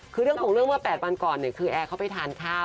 คือเรื่องของเรื่องเมื่อ๘วันก่อนเนี่ยคือแอร์เขาไปทานข้าว